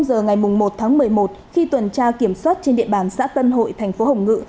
một mươi giờ ngày một tháng một mươi một khi tuần tra kiểm soát trên địa bàn xã tân hội thành phố hồng ngự